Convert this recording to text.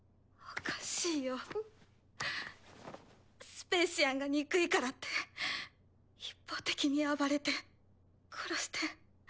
スペーシアンが憎いからって一方的に暴れて殺して。